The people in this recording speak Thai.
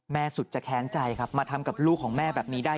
สุดจะแค้นใจครับมาทำกับลูกของแม่แบบนี้ได้